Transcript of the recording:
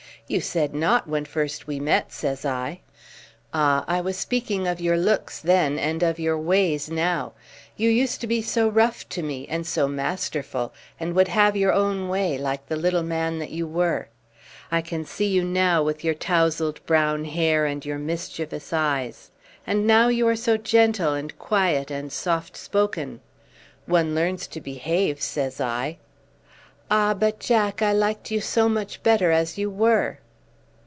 "You said not when first we met," says I. "Ah! I was speaking of your looks then, and of your ways now. You used to be so rough to me, and so masterful, and would have your own way, like the little man that you were. I can see you now with your touzled brown hair and your mischievous eyes. And now you are so gentle and quiet and soft spoken." "One learns to behave," says I. "Ah, but, Jack, I liked you so much better as you were!"